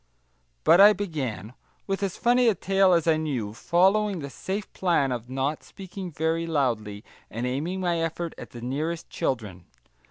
But I began, with as funny a tale as I knew, following the safe plan of not speaking very loudly, and aiming my effort at the nearest children.